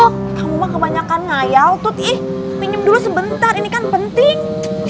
kamu mah kebanyakan ngayal tut ih pinjem dulu sebentar ini kan penting